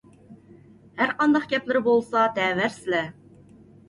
ھەرقانداق گەپلىرى بولسا دەۋەرسىلە!